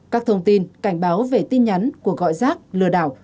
các thông tin cảnh báo về tin nhắn của gọi giác lừa đảo